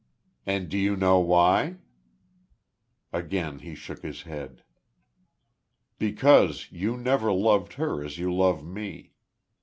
"And do you know why?" Again he shook his head. "Because you never loved her as you love me.